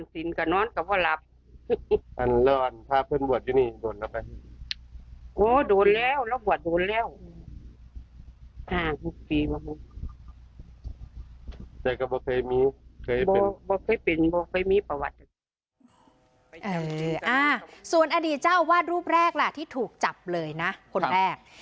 ส่วนอดีตเจ้าอาวาสรูปแรกล่ะที่ถูกจับเลยนะคนแรก